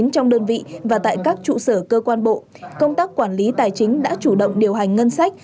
trong đơn vị và tại các trụ sở cơ quan bộ công tác quản lý tài chính đã chủ động điều hành ngân sách